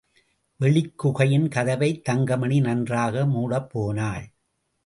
வெளிக் குகையின் கதவைத் தங்கமணி நன்றாக மூடப்போனான்.